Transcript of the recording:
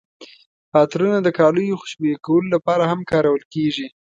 عطرونه د کالیو خوشبویه کولو لپاره هم کارول کیږي.